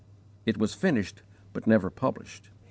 It was finished, but never published.